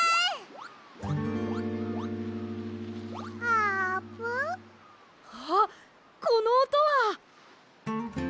あっこのおとは！